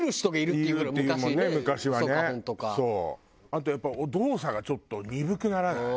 あとやっぱ動作がちょっと鈍くならない？